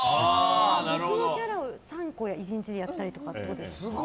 別のキャラを３個１日でやったりってことですか。